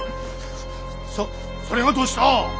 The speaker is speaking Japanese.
そっそれがどうした！